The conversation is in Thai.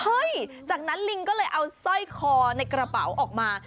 จากนั้นลิงก็เลยเอาสร้อยคอในกระเป๋าออกมา